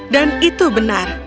dan itu benar